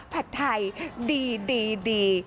ผัดไทยดี